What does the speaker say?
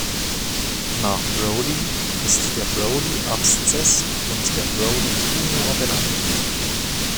Nach Brodie ist der Brodie-Abszess und der Brodie-Tumor benannt.